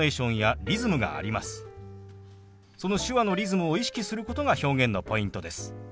その手話のリズムを意識することが表現のポイントです。